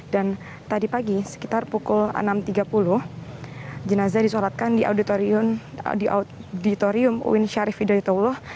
dan tadi pagi sekitar pukul enam tiga puluh jenazah disolatkan di auditorium uin syarif hidayatullah